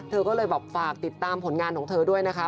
เธอก็เลยแบบฝากติดตามผลงานของเธอด้วยนะคะ